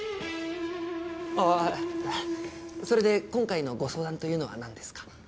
それで今回のご相談というのは何ですか？